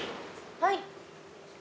はい。